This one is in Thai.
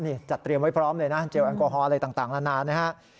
นี่จัดเตรียมไว้พร้อมเลยนะเจลแอลกอฮอล์อะไรต่างนานานะฮะ